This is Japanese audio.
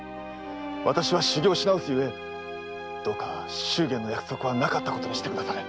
私は修業しなおすゆえどうか祝言の約束はなかったことにしてくだされ。